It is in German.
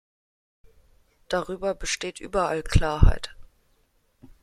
Darüber besteht überall Klarheit.